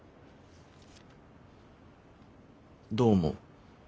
どう思う？